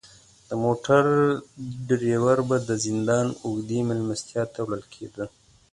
د موټر دریور به د زندان اوږدې میلمستیا ته وړل کیده.